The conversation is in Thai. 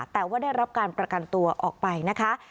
แต่ว่าได้รับการประกันตัวออกไปนะคะ